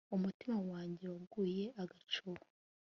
umutima wanjye waguye agacuho